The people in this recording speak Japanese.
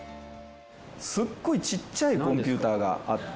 すっごいちっちゃいコンピューターがあって。